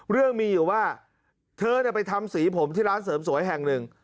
เรื่องมีอยู่ว่าเธอไปทำสีผมที่ร้านเสริมสวยแห่งหนึ่ง